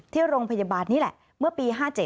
ที่โรงพยาบาลนี่แหละเมื่อปี๕๗